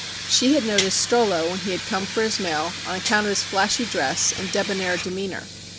She had noticed Strollo when he had come for his mail on account of his flashy dress and debonair demeanor.